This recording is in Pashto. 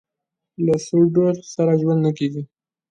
له سوډرسره ژوند نه کېږي.